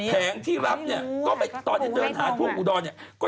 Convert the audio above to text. ต้องไปตามให้ได้๖ตัวนี้นะ